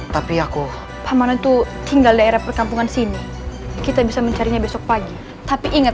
tapi aku paman itu tinggal daerah perkampungan sini kita bisa mencarinya besok pagi tapi ingat